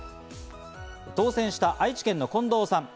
当選した愛知県の近藤さん。